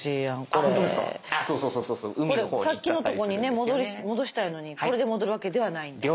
これさっきのとこに戻したいのにこれで戻るわけではないんだ。